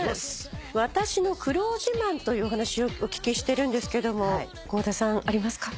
私の苦労自慢というお話をお聞きしてるんですけども倖田さんありますか？